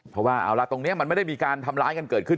เพราะว่าเอาละตรงนี้มันไม่ได้มีการทำร้ายกันเกิดขึ้น